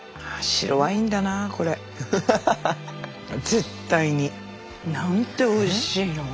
絶対に。なんておいしいの。